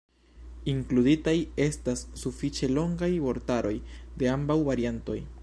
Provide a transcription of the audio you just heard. Inkluditaj estas sufiĉe longaj vortaroj de ambaŭ variantoj.